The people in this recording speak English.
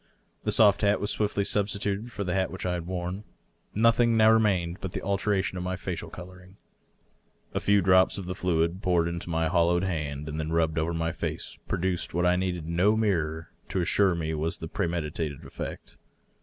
The soft hat was swiftly substituted for the hat which I had worn. Notliing now remained but the alteration in my facial coloring. A few drops of the fluid, poured into my hol lowed hand and then rubbed over my face, produced what I needed no mirror to assure me was just the premeditated effect.